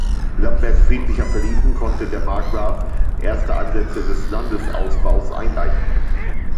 Lambert friedlicher verliefen, konnte der Markgraf erste Ansätze des Landesausbaus einleiten.